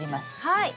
はい。